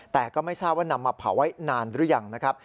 แต่ก็ไม่ทราบว่านำมาเผาไว้นานหรือยังนะครับ